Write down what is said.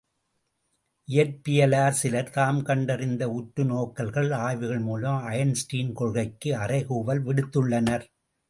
இயற்பியலார் சிலர் தாம் கண்டறிந்த உற்றுநோக்கல்கள் ஆய்வுகள் மூலம் ஐன்ஸ்டீன் கொள்கைக்கு அறைகூவல் விடுத்துள்ளனர்.